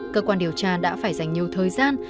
cơ quan điều tra đã phải dành nhiều thời gian